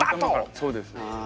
そうです。